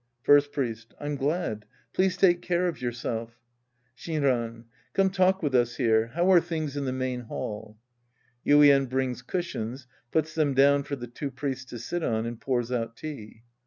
First Priest. I'm glad. Please take care of yourself. Shinran. Come talk with us here. How are things in the main hall ? (Yuien brings cushions, puts them down fof the two priests to sit on and pours out tea.)